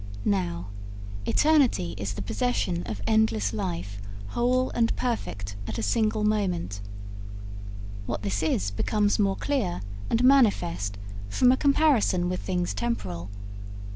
Now, eternity is the possession of endless life whole and perfect at a single moment. What this is becomes more clear and manifest from a comparison with things temporal.